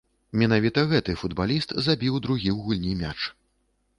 Менавіта гэты футбаліст забіў другі ў гульні мяч.